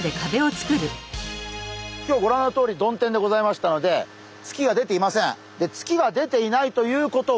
きょうはご覧のとおり曇天でございましたので月が出ていません。